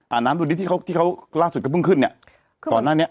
อ่านน้ำดูดิที่เขาล่าสุดก็เพิ่งขึ้นเนี่ย